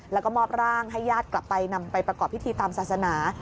แล้วก็มอบร่างให้ญาติกลับไปนำไปประกอบพิธีตามศาสนา